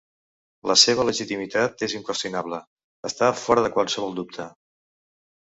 La seva legitimitat és inqüestionable, està fora de qualsevol dubte.